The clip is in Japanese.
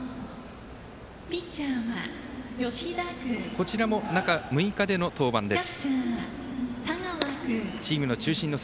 こちらも中６日での登板です。